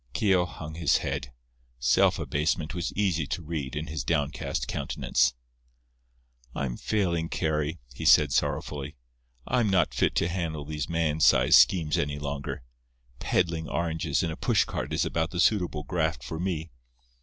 Keogh hung his head. Self abasement was easy to read in his downcast countenance. "I'm failing, Carry," he said, sorrowfully. "I'm not fit to handle these man's size schemes any longer. Peddling oranges in a push cart is about the suitable graft for me.